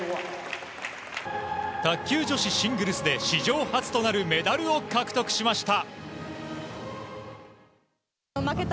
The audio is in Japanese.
卓球女子シングルスで史上初となるメダルを獲得しました。